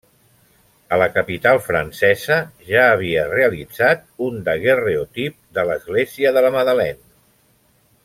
A la capital francesa ja havia realitzat un daguerreotip de l'església de la Madeleine.